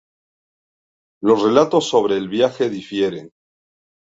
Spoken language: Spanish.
Los relatos sobre el viaje difieren.